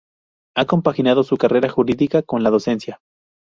Ha compaginado su carrera jurídica con la docencia.